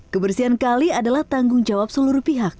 kebersihan kali adalah tanggung jawab seluruh pihak